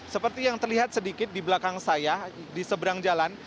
seperti yang terlihat sedikit di belakang saya di seberang jalan